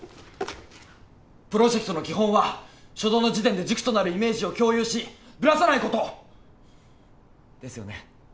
プロジェクトの基本は初動の時点で軸となるイメージを共有しぶらさないこと！ですよね。